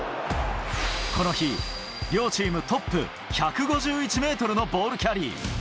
この日、両チームトップ、１５１メートルのボールキャリー。